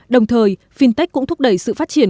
đồng thời fintech cũng thúc đẩy sự phát triển